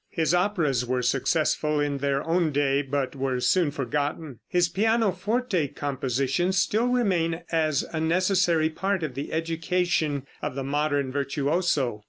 His operas were successful in their own day, but were soon forgotten. His pianoforte compositions still remain as a necessary part of the education of the modern virtuoso.